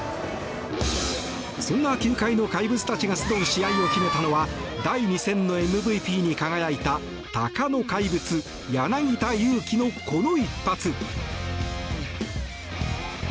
そんな球界の怪物たちが集う試合を決めたのは第２戦のＭＶＰに輝いた鷹の怪物、柳田悠岐のこの一発。